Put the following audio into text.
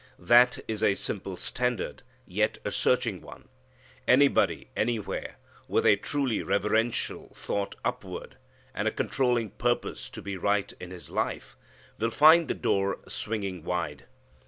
That is a simple standard, yet a searching one. Anybody, anywhere, with a truly reverential thought upward, and a controlling purpose to be right in his life, will find the door swinging wide.